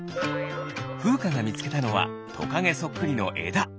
ふうかがみつけたのはトカゲそっくりのえだ。